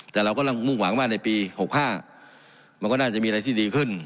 แต่เรากำลังมุ่งหวังว่าในปี๖๕มันก็น่าจะมีอะไรที่ดีขึ้น